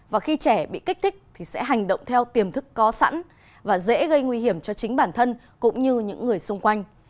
và khi trẻ bị kích thích thì sẽ hành động theo tiềm thức có sẵn và dễ gây nguy hiểm cho chính bản thân cũng như những người xung quanh